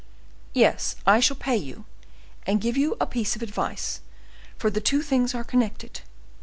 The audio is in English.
"Yes, I shall pay you, and give you a piece of advice; for the two things are connected.